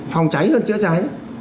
phòng cháy hơn chữa cháy